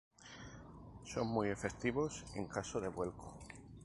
Son muy efectivos en caso de vuelco.